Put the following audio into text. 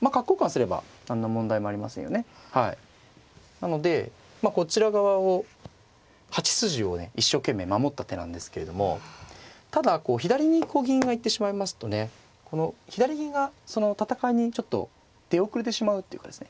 なのでまあこちら側を８筋をね一生懸命守った手なんですけれどもただこう左に銀が行ってしまいますとねこの左銀がその戦いにちょっと出遅れてしまうっていうかですね